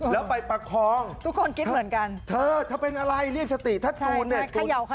แล้วไปปลักฟ้องเธอถ้าเป็นอะไรเรียกสติถ้าตูนเนี่ยตูนใช่ใช่